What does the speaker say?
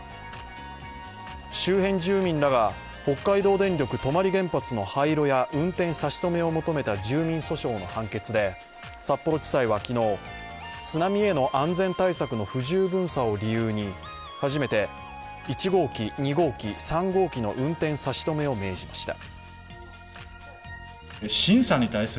周辺住民らが北海道電力泊原発の廃炉や運転差し止めを求めた住民訴訟の判決で札幌地裁は昨日、津波への安全対策の不十分さを理由に初めて１、２、３号機の運転差し止めを命じました。